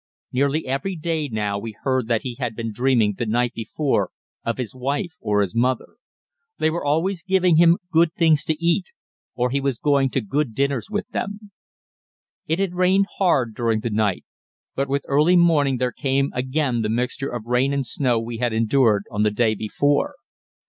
Nearly every day now we heard that he had been dreaming the night before of his wife or his mother; they were always giving him good things to eat, or he was going to good dinners with them. It had rained hard during the night, but with early morning there came again the mixture of rain and snow we had endured on the day before.